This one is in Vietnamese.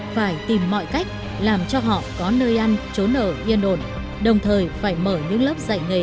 phải tìm mọi cách làm cho họ có nơi ăn trốn ở yên ổn đồng thời phải mở những lớp dạy nghề